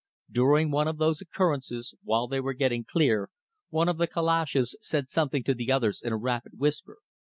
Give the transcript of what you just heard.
During one of those occurrences, while they were getting clear, one of the calashes said something to the others in a rapid whisper.